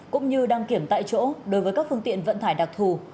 cũng như đăng kiểm tại chỗ đối với các phương tiện vận tải đặc thù